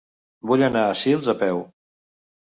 Vull anar a Sils a peu.